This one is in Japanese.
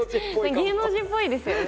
芸能人っぽいですよね。